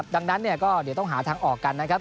ดังนั้นเนี่ยก็เดี๋ยวต้องหาทางออกกันนะครับ